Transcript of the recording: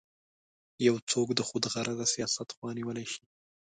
یو څوک د خودغرضه سیاست خوا نیولی شي.